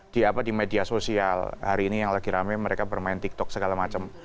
di media sosial hari ini yang lagi rame mereka bermain tiktok segala macam